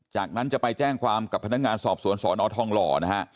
จากนั้นจะไปแจ้งความกับพนักงานสอบสวนสอนอทองหล่อนะฮะ